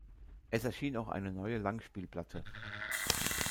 Es erschien auch eine neue Langspielplatte.